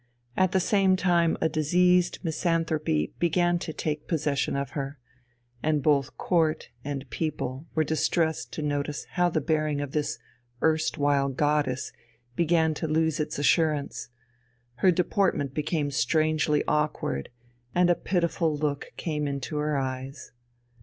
At the same time a diseased misanthropy began to take possession of her, and both Court and people were distressed to notice how the bearing of this erstwhile goddess began to lose its assurance, her deportment became strangely awkward, and a pitiful look came into her eyes.